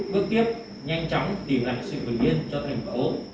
bước tiếp nhanh chóng tìm lại sự bình yên cho tp hcm